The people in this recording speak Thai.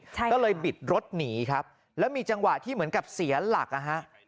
ใช่ก็เลยบิดรถหนีครับแล้วมีจังหวะที่เหมือนกับเสียหลักนะฮะ